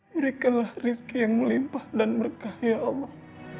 berikanlah rizki yang melimpah dan berkah ya allah